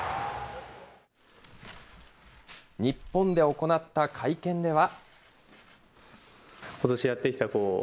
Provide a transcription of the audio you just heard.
日本で行った会見では。